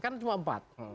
kan cuma empat